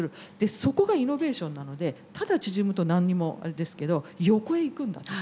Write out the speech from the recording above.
そこがイノベーションなのでただ縮むと何にもあれですけど横へ行くんだ。